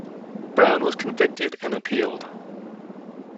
Brown was convicted and appealed.